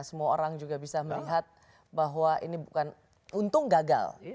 semua orang juga bisa melihat bahwa ini bukan untung gagal